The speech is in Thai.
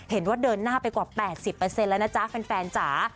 เห็นว่าเดินหน้าไปกว่า๘๐แล้วนะจ๊ะแฟนจ๋า